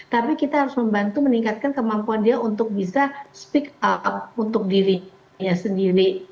tapi kita harus membantu meningkatkan kemampuan dia untuk bisa speak up untuk dirinya sendiri